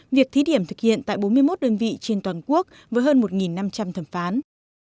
việc thí điểm thực hiện tại bốn mươi một đơn vị trên toàn quốc với hơn một năm trăm linh thẩm phán